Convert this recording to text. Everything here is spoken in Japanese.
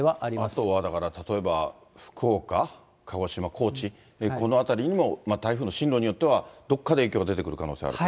あとはだから例えば福岡、鹿児島、高知、このあたりにも台風の進路によってはどっかで影響が出てくる可能性があると。